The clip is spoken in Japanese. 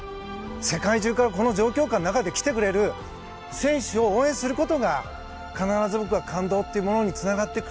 世界中からこの状況下の中で来てくれる選手を応援することが必ず僕は感動というものにつながっていく。